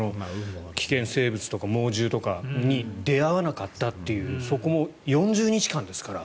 危険生物とか猛獣とかに出会わなかったっていうそこも、４０日間ですから。